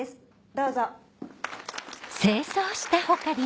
どうぞ。